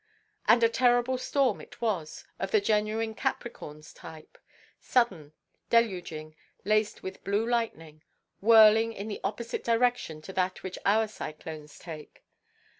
And a terrible storm it was, of the genuine Capricorn type, sudden, deluging, laced with blue lightning, whirling in the opposite direction to that which our cyclones take.